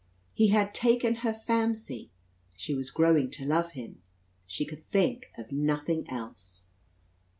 He had "taken her fancy"; she was growing to love him. She could think of nothing else.